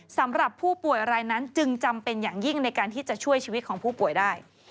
สำหรับผู้ป่วยรายนั้นจึงจำเป็นอย่างยิ่งในการที่จะช่วยชีวิตของผู้ป่วยได้